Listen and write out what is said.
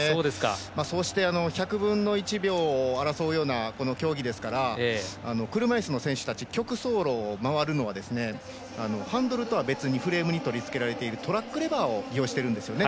そうして、１００分の１秒を争うようなこの競技ですから車いすの選手たち曲走路を回るのはハンドルとは別に、フレームに取り付けられているトラックレバーを利用しているんですよね。